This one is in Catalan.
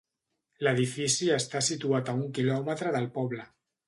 L'edifici està situat a un quilòmetre del poble.